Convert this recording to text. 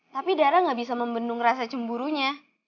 tapi darah gak bisa membendung rasa cemburunya